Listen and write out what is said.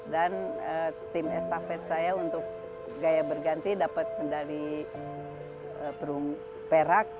dan tim estafet saya untuk gaya berganti dapat medali perunggu perak